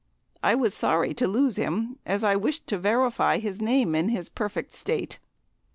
I was sorry to lose him, as I wished to verify his name in his perfect state.